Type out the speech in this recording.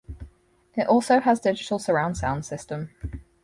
It also has digital surround sound system.